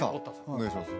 お願いします